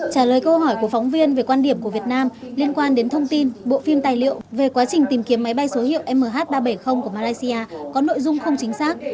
trả lời câu hỏi của phóng viên về quan điểm của việt nam liên quan đến thông tin bộ phim tài liệu về quá trình tìm kiếm máy bay số hiệu mh ba trăm bảy mươi của malaysia có nội dung không chính xác